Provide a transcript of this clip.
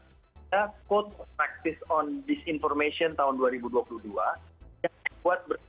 kita membuat praktis tentang informasi tahun dua ribu dua puluh dua